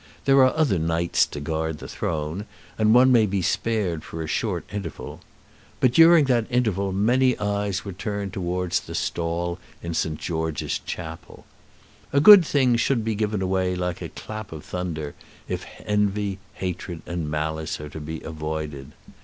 There are other Knights to guard the throne, and one may be spared for a short interval. But during that interval many eyes were turned towards the stall in St. George's Chapel. A good thing should be given away like a clap of thunder if envy, hatred, and malice are to be avoided.